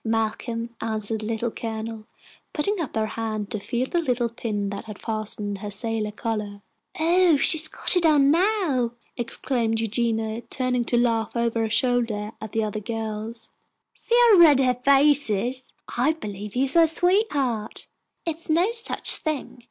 "Malcolm," answered the Little Colonel, putting up her hand to feel the little pin that fastened her sailor collar. "Oh, she's got it on now!" exclaimed Eugenia, turning to laugh over her shoulder at the other girls. "See how red her face is. I believe he is her sweet heart." "It's no such a thing!"